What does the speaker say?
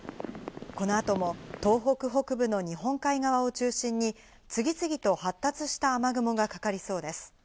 この後も東北北部の日本海側を中心に、次々と発達した雨雲がかかりそうです。